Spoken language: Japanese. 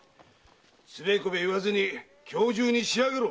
つべこべ言わずに今日中に仕上げろ！